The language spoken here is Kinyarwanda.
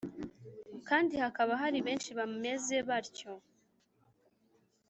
kandi hakaba hari benshi bameze batyo